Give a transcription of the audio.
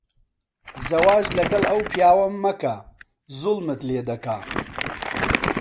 زەواج لەگەڵ ئەو پیاوە مەکە. زوڵمت لێ دەکات.